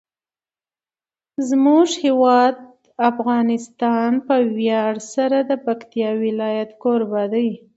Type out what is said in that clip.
زموږ هیواد افغانستان په ویاړ سره د پکتیکا ولایت کوربه دی.